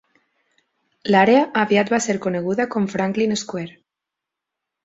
L'àrea aviat va ser coneguda com Franklin Square.